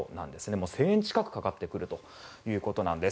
１０００円近くかかってくるということです。